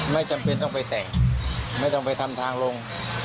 ไม่จำเป็นต้องไปแต่งไม่ต้องไปทำทางลง